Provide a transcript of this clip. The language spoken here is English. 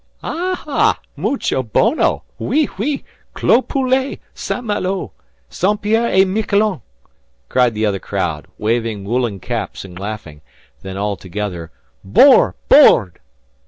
"Ah, ha! Mucho bono! Oui! oui! Clos Poulet St. Malo! St. Pierre et Miquelon," cried the other crowd, waving woollen caps and laughing. Then all together, "Bord! Bord!"